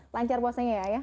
lancar bosnya ya ayah